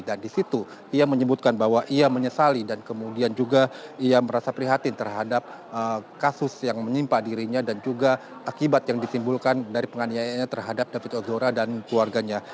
dan di situ ia menyebutkan bahwa ia menyesali dan kemudian juga ia merasa prihatin terhadap kasus yang menyimpa dirinya dan juga akibat yang disimbulkan dari penganiayanya terhadap david ozora dan keluarganya